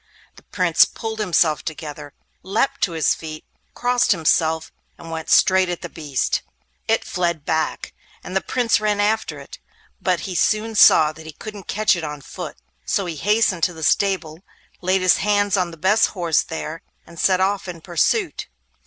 The Prince pulled himself together, leapt to his feet, crossed himself, and went straight at the beast. It fled back, and the Prince ran after it. But he soon saw that he couldn't catch it on foot, so he hastened to the stable, laid his hands on the best horse there, and set off in pursuit.